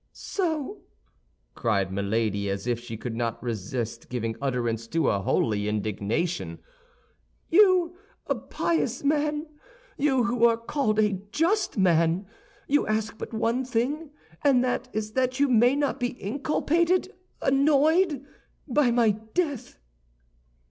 "So," cried Milady, as if she could not resist giving utterance to a holy indignation, "you, a pious man, you who are called a just man, you ask but one thing—and that is that you may not be inculpated, annoyed, by my death!"